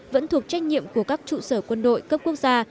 vẫn thuộc trách nhiệm của các trụ sở quân đội cấp quốc gia